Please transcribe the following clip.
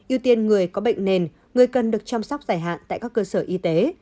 ưu tiên người có bệnh nền người cần được chăm sóc dài hạn tại các cơ sở y tế